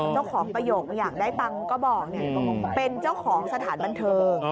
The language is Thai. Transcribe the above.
เจ้าของประโยคอยากได้ตังค์ก็บอกเป็นเจ้าของสถานบันเทิง